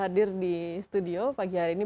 hadir di studio pagi hari ini